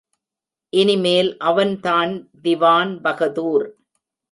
இனி மேல் அவன்தான் திவான்பகதூர்.